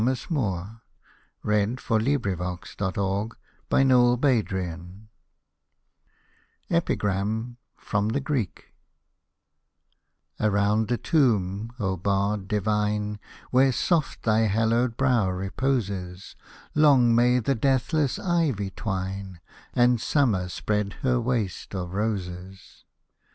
we can return no more ! Hosted by Google EPIGRAM 247 EPIGRAM FROM THE GREEK Around the tomb, oh, bard divine ! Where soft thy hallowed brow reposes, Long may the deathless ivy twine, And summer spread her waste of roses